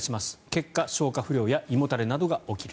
結果、消化不良や胃もたれなどが起きる。